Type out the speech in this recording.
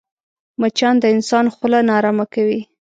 مچان د انسان خوله ناارامه کوي